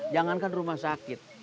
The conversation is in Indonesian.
jangankan rumah sakit